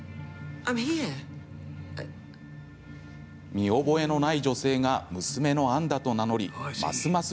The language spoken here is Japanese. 見覚えのない女性が娘のアンだと名乗りますます